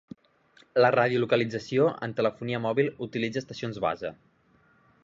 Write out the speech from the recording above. La radiolocalització en telefonia mòbil utilitza estacions base.